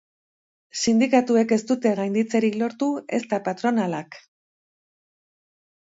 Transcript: Sindikatuek ez dute gainditzerik lortu, ez eta patronalak.